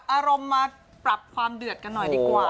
อารมณ์มาปรับความเดือดกันหน่อยดีกว่า